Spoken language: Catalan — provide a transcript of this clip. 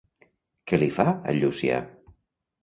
Què li fa al Llucià?